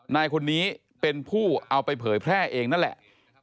นายคนนี้เป็นผู้เอาไปเผยแพร่เองนั่นแหละ